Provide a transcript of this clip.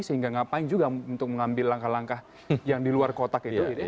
sehingga ngapain juga untuk mengambil langkah langkah yang di luar kotak itu